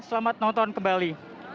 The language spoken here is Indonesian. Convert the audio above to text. selamat nonton kembali